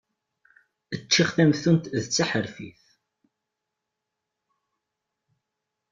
Ččiɣ tamtunt d taḥerfit.